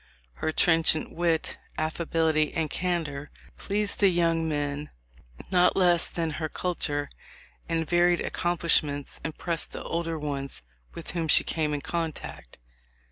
Her trenchant wit, affability, and candor pleased the THE LIFE OF LINCOLN. 209 young men not less than her culture and varied accomplishments impressed the older ones with whom she came in contact.